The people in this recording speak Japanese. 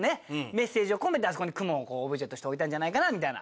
メッセージを込めてあそこに雲をオブジェとして置いたんじゃないかなみたいな。